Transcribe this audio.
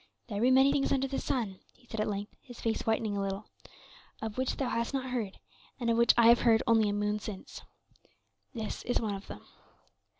"There be many things under the sun," he said at length, his face whitening a little "of which thou hast not heard, and of which I have heard only a moon since. This is one of them."